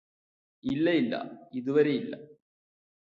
ഇല്ല ഇല്ല ഇതുവരെയില്ല